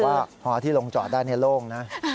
ว่าพอที่ลงจอดได้โล่งนะ